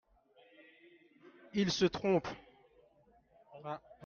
Il se trompe.